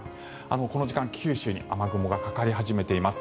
この時間、九州に雨雲がかかり始めています。